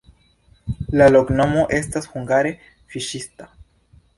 La loknomo estas hungare fiŝista.